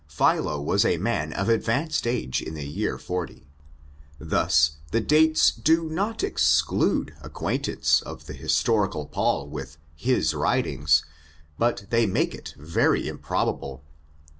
Philo was 8 man of advanced age in the year 40. Thus the dates do not exclude acquaintance of the historical Paul with his writings; but they make it very improbable.